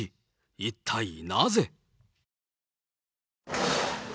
一体なぜ。